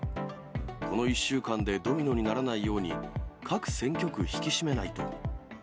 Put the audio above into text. この１週間でドミノにならないように、各選挙区、引き締めないと。